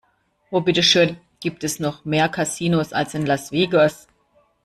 Wo bitte schön gibt es noch mehr Casinos als in Las Vegas?